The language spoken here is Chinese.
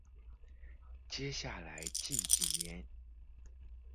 接下来近几年